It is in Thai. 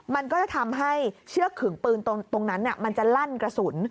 มันก็จะทำให้เชือกขึงปืนตรงนั้นมันจะลั่นกระสุน